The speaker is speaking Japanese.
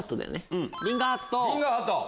うん。